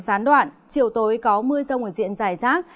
gián đoạn chiều tối có mưa rông ở diện dài rác